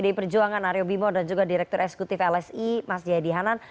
pdi perjuangan aryo bimo dan juga direktur eksekutif lsi mas jayadi hanan